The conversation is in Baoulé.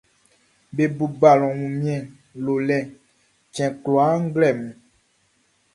Be bo balɔn Wunmiɛn-lolɛ-cɛn kwlaa nglɛmun.